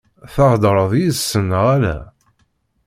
Theḍṛeḍ yid-sen neɣ ala?